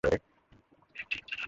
মহলে, কে পাঠাইলো ওরে?